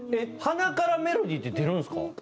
鼻からメロディーって出るんですか？